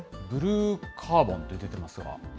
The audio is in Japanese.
ブルーカーボンって出てますが。